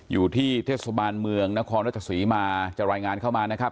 อยู่ที่เทศบาลเมืองนครรัชศรีมาจะรายงานเข้ามานะครับ